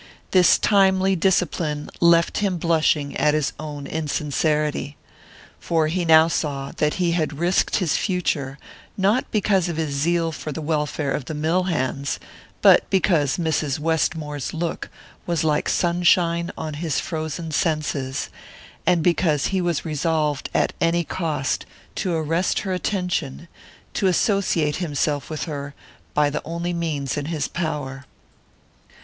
This timely discipline left him blushing at his own insincerity; for he now saw that he had risked his future not because of his zeal for the welfare of the mill hands, but because Mrs. Westmore's look was like sunshine on his frozen senses, and because he was resolved, at any cost, to arrest her attention, to associate himself with her by the only means in his power.